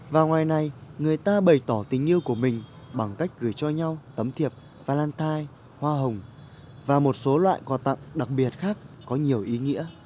và ngoài này người ta bày tỏ tình yêu của mình bằng cách gửi cho nhau tấm thiệp phan lantine hoa hồng và một số loại quà tặng đặc biệt khác có nhiều ý nghĩa